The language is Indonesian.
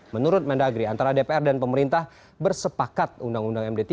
menurut mendagri antara dpr dan pemerintah bersepakat undang undang md tiga